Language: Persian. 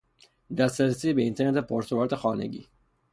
دسترسی به اینترنت پر سرعت خانگی